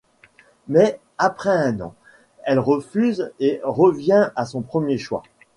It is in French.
Mais, après un an, elle refuse et revient à son premier choix.